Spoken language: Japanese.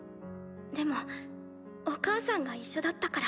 でもお母さんが一緒だったから。